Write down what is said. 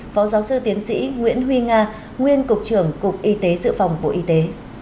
phó giáo sư tiến sĩ nguyễn huy nga nguyên cục trưởng cục y tế dự phòng bộ y tế